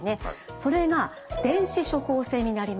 それが電子処方箋になりますと